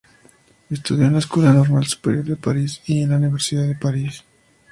Estudió en la Escuela Normal Superior de París y en la Universidad de París.